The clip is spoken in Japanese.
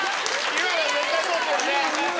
今の絶対そうですよね。